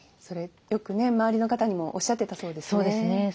それよくね周りの方にもおっしゃってたそうですね。